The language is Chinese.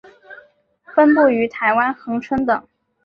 分布于台湾恒春等。